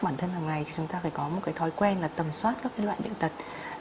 bản thân hàng ngày thì chúng ta phải có một cái thói quen là tầm soát các loại bệnh tật